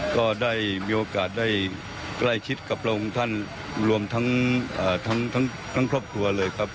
ก็ได้มีโอกาสได้ใกล้ชิดกับพระองค์ท่านรวมทั้งครอบครัวเลยครับ